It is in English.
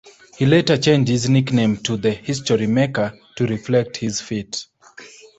He later changed his nickname to "The History Maker" to reflect his feat.